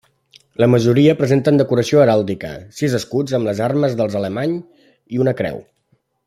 La majoria presenten decoració heràldica: sis escuts amb les armes dels Alemany, i una creu.